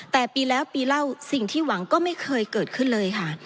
แต่ปีแล้วปีเล่าสิ่งที่หวังก็ไม่เคยเกิดขึ้นเลยค่ะ